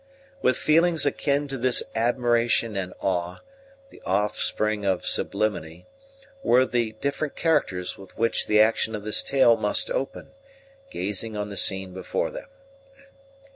With feelings akin to this admiration and awe the offspring of sublimity were the different characters with which the action of this tale must open, gazing on the scene before them.